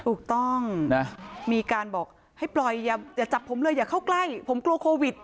ถูกต้องนะมีการบอกให้ปล่อยอย่าจับผมเลยอย่าเข้าใกล้ผมกลัวโควิด